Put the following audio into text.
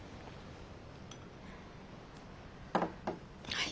はい。